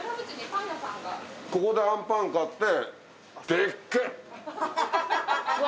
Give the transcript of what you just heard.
ここであんパン買って。